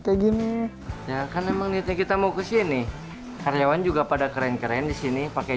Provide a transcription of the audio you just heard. kayak gini ya kan emang ini kita mau ke sini karyawan juga pada keren keren di sini pakai